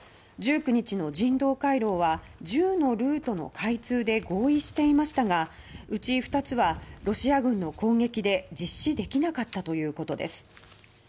１９日の「人道回廊」は１０のルートで合意していましたがうち２つはロシア軍の攻撃で開通できなかったということです。